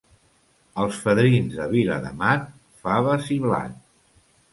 Els fadrins de Viladamat, faves i blat.